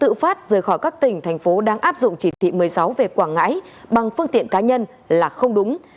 tự phát rời khỏi các tỉnh thành phố đang áp dụng chỉ thị một mươi sáu về quảng ngãi bằng phương tiện cá nhân là không đúng